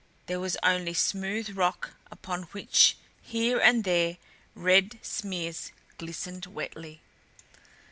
There was only smooth rock upon which here and there red smears glistened wetly.